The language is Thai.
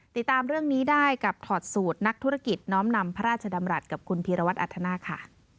ติดตามเรื่องนี้ได้กับถอดสูตรนักธุรกิจน้อมนำพระราชดำรัฐกับคุณพีรวัตรอัธนาคค่ะ